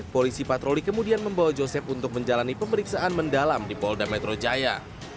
polisi patroli kemudian membawa joseph untuk menjalani pemeriksaan mendalam di polda metro jaya